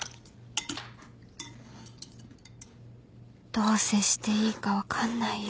どう接していいか分かんないよ